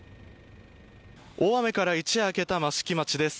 大雨から一夜明けた益城町です。